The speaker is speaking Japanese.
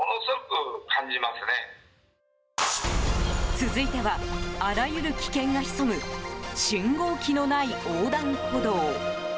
続いては、あらゆる危険が潜む信号機のない横断歩道。